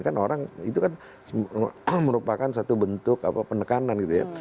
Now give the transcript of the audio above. kan orang itu kan merupakan satu bentuk penekanan gitu ya